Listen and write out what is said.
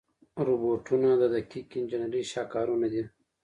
روبوټونه د دقیق انجنیري شاهکارونه دي.